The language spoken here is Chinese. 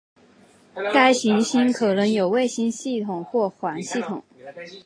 该行星可能有卫星系统或环系统。